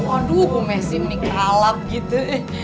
aduh bu messi ini kalap gitu